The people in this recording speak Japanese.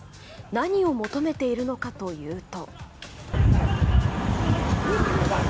何を求めているのかというと。